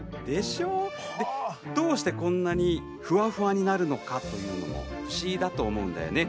どうしてこんなにふわふわになるのかというのが不思議だと思うんだよね。